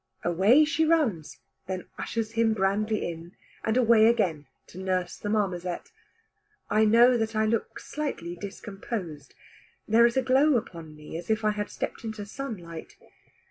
Away she runs, then ushers him grandly in, and away again to nurse the marmoset. I know that I look slightly discomposed. There is a glow upon me as if I had stepped into sunlight.